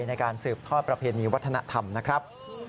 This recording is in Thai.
ในการสืบทอดประเพณีวัฒนธรรมนะครับ